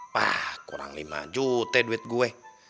wah kurang lima juta duit gue